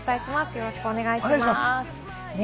よろしくお願いします。